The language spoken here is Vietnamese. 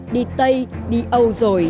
đi tây đi âu rồi